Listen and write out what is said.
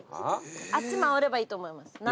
あっち回ればいいと思います。